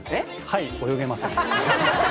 『はい。泳げません』。